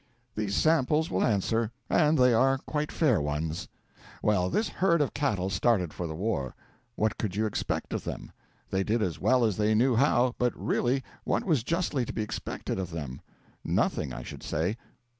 These samples will answer and they are quite fair ones. Well, this herd of cattle started for the war. What could you expect of them? They did as well as they knew how, but really what was justly to be expected of them? Nothing, I should say.